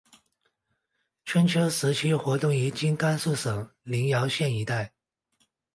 春秋时期活动于今甘肃省临洮县一带。